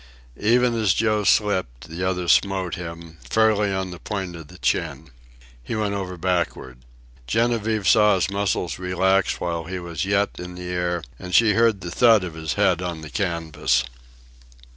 Even as Joe slipped the other smote him, fairly on the point of the chin. He went over backward. Genevieve saw his muscles relax while he was yet in the air, and she heard the thud of his head on the canvas.